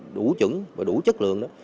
đủ chững và đủ chất lượng